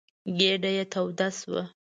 ګېډه يې توده شوه.